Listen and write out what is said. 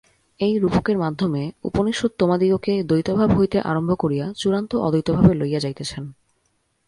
এই রূপকের মাধ্যমে উপনিষদ তোমাদিগকে দ্বৈতভাব হইতে আরম্ভ করিয়া চূড়ান্ত অদ্বৈতভাবে লইয়া যাইতেছেন।